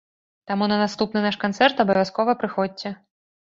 Таму на наступны наш канцэрт абавязкова прыходзьце!